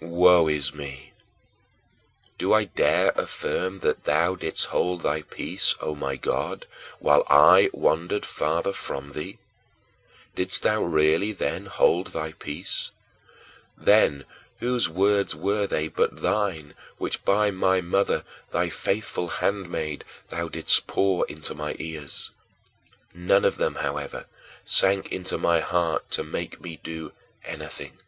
7. Woe is me! Do I dare affirm that thou didst hold thy peace, O my God, while I wandered farther away from thee? Didst thou really then hold thy peace? Then whose words were they but thine which by my mother, thy faithful handmaid, thou didst pour into my ears? None of them, however, sank into my heart to make me do anything.